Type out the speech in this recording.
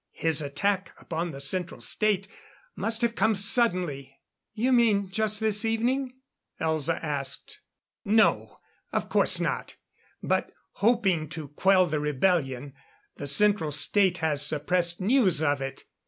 His attack upon the Central State must have come suddenly " "You mean, just this evening?" Elza asked. "No, of course not. But hoping to quell the rebellion, the Central State has suppressed news of it.